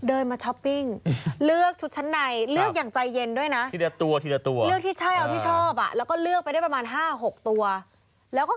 ออกไปเนี่ยคุณผู้ชมดูอืมกางวันนะแสกแสกเลยค่ะ